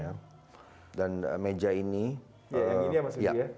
yang ini mas sudi ya